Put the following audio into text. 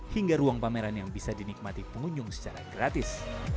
hingga ruang pameran yang bisa dinikmati pengunjung secara gratis